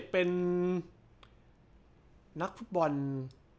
๓๗เป็นนักฟุตบอลนะครับ